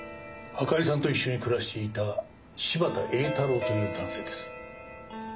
あかりさんと一緒に暮らしていた柴田英太郎という男性です。